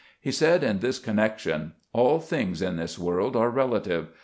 He said in this connection :" AH things in this world are relative.